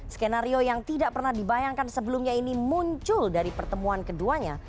skenario yang tidak pernah dibayangkan sebelumnya ini muncul dari pertemuan keduanya